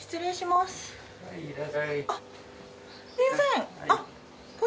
すみません。